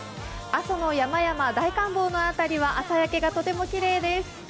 朝の山々、大観峰の辺りは朝焼けがとてもきれいです。